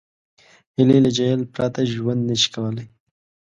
هیلۍ له جهیل پرته ژوند نشي کولی